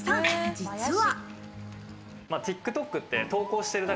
実は。